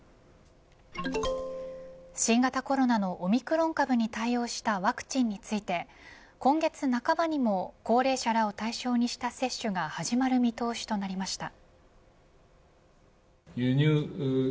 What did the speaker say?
新型コロナのオミクロン株に対応したワクチンについて今月半ばにも、高齢者らを対象にした接種が始まる見通しとなりました。